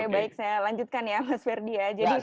oke baik saya lanjutkan ya mas fair dia jadi pak ninis